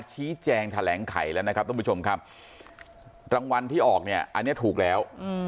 ทะแหลงไข่แล้วนะครับท่านผู้ชมครับรางวัลที่ออกอันนี้ถูกแล้ว